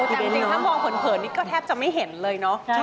จริงถ้าบอกเหินนี่ก็แทบจะไม่เห็นเลยใช่